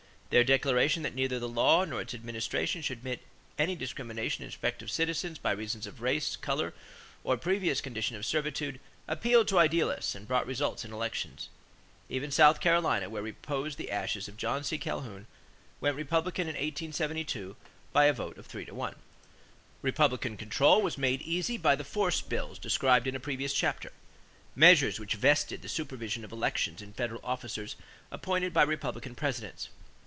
Their declaration that neither the law nor its administration should admit any discrimination in respect of citizens by reason of race, color, or previous condition of servitude appealed to idealists and brought results in elections. Even South Carolina, where reposed the ashes of John C. Calhoun, went Republican in 1872 by a vote of three to one! Republican control was made easy by the force bills described in a previous chapter measures which vested the supervision of elections in federal officers appointed by Republican Presidents.